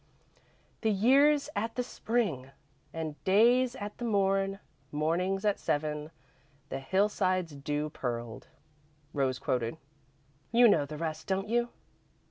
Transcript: "The year's at the spring, And day's at the morn; Morning's at seven; The hill side's dew pearled," Rose quoted. "You know the rest, don't you?"